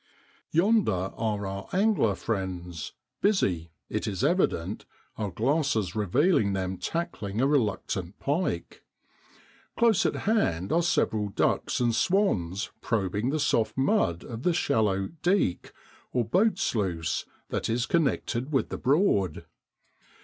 Yonder are our angler friends, busy, it is evident, our glasses revealing them tackling a reluctant pike. Close at hand are several ducks and swans probing the soft mud of the shallow l deek ' or boat sluice that is connected with the Broad.